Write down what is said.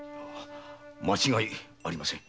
間違いありません。